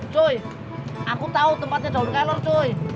coy aku tau tempatnya daun kelor coy